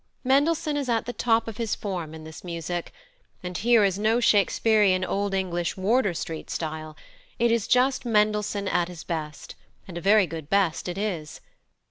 Mendelssohn is at the top of his form in this music, and here is no Shakespearian Old English Wardour Street style: it is just Mendelssohn at his best, and a very good best it is.